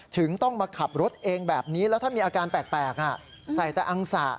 ถึงต้องมาขับรถเองแบบนี้แล้วถ้ามีอาการแปลกใส่แต่อังสะ